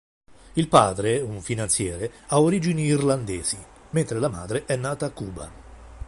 Il padre, un finanziere, ha origini irlandesi, mentre la madre è nata a Cuba.